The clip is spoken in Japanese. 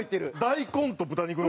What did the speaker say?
大根と豚肉の。